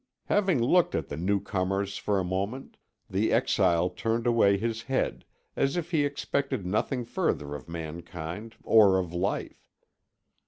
Having looked at the newcomers for a moment, the exile turned away his head, as if he expected nothing further of mankind or of life.